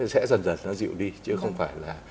sẽ dần dần nó dịu đi chứ không phải là